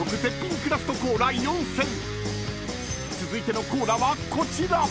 ［続いてのコーラはこちら］